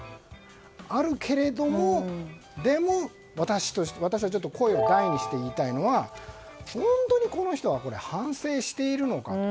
あるけれども、でも私が声を大にして言いたいのは本当に、この人は反省しているのかと。